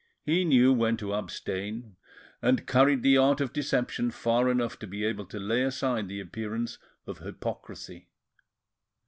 He knew when to abstain, and carried the art of deception far enough to be able to lay aside the appearance of hypocrisy.